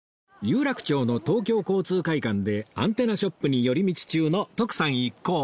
有楽町の東京交通会館でアンテナショップに寄り道中の徳さん一行